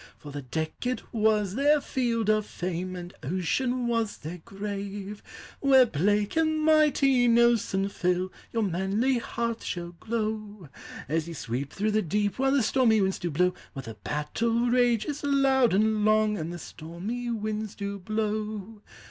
— For the deck it was their field of fame, And ocean was their grave : Where Blake and mighty Nelson fell, Your manly hearts shall glow, As ye sweep through the deep, While the stormy winds do blow; While the battle rages loud and long, And the stormy winds do blow.